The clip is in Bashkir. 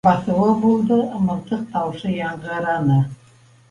Баҫыуы булды - мылтыҡ тауышы яңғыраны.